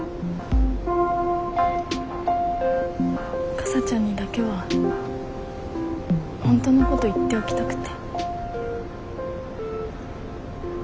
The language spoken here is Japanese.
かさちゃんにだけは本当のこと言っておきたくて。